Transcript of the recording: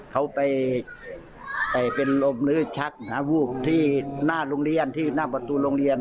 เขาไปเป็นลมหรือชักหาวูกที่หน้าประตูโรงเรียน